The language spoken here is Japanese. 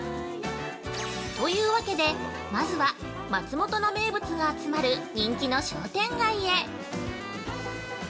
◆というわけで、まずは松本の名物が集まる人気の商店街へ。